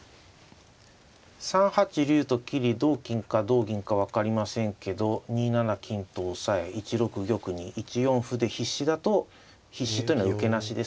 ３八竜と切り同金か同銀か分かりませんけど２七金と押さえ１六玉に１四歩で必至だと必至というのは受けなしですね。